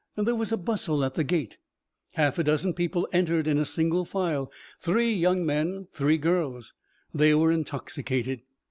There was a bustle at the gate. Half a dozen people entered in single file. Three young men. Three girls. They were intoxicated.